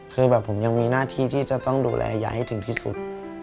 คือแบบผมยังมีหน้าที่ที่จะต้องดูแลยายให้ถึงที่สุด